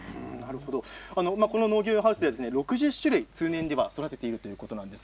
この農業ハウスは６０種類通年で育てているということです。